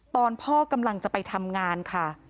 ตอนพ่อกำลังจะไปทำงานค่ะ